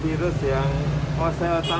terus saya cari kemana kalau mau cari